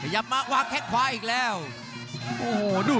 รับทราบบรรดาศักดิ์